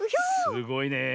すごいねえ。